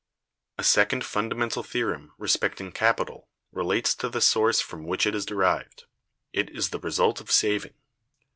A second fundamental theorem respecting capital relates to the source from which it is derived. It is the result of saving.